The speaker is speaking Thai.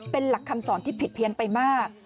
เป็นหลักคำสอนที่ผิดเพี้ยนไปมาก